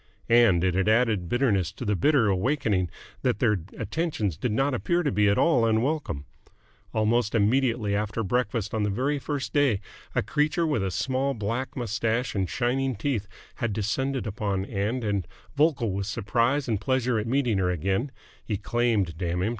And it had added bitterness to the bitter awakening that their attentions did not appear to be at all unwelcome. Almost immediately after breakfast on the very first day, a creature with a small black moustache and shining teeth had descended upon Ann and, vocal with surprise and pleasure at meeting her again he claimed, damn him!